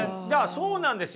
そうなんですよ。